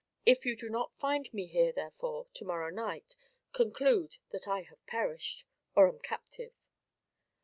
If you do not find me here, therefore, to morrow night, conclude that I have perished, or am captive."